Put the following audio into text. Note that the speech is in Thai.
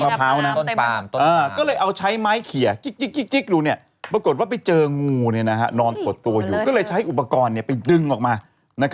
อ๋อไม่ใช่เป็นปืนอัดลมที่แบบเด็ก